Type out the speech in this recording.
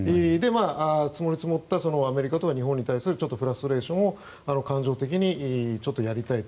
積もり積もったアメリカと日本に対するフラストレーションを感情的にやりたいと。